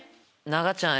永ちゃん。